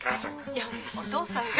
いやお父さんが。